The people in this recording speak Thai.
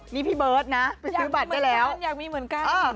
นี่พี่เบิร์ดนะไปซื้อบัตรก็แล้วยังมีเหมือนกันยังมีเหมือนกัน